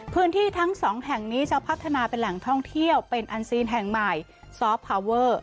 พื้นที่ทั้งสองแห่งนี้จะพัฒนาเป็นแหล่งท่องเที่ยวเป็นอันซีนแห่งใหม่ซอฟต์พาวเวอร์